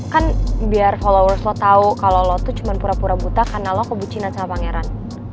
kan biar followers lo tau kalo lo tuh cuma pura pura buta karena lo kebucinan sama pangeran